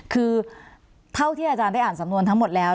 คือเท่าที่อาจารย์ได้อ่านสำนวนทั้งหมดแล้ว